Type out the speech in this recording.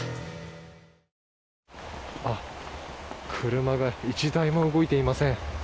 車が１台も動いていません。